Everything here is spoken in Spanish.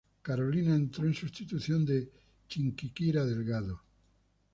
Carolina entró en sustitución de Chiquinquirá Delgado.